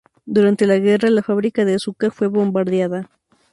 Durante la guerra, la fábrica de azúcar fue bombardeada.